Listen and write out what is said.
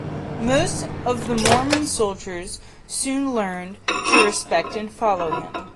Most of the Mormon soldiers soon learned to respect and follow him.